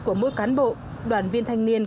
của mỗi cán bộ đoàn viên thanh niên